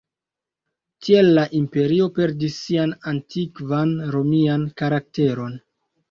Tiel la imperio perdis sian antikvan romian karakteron.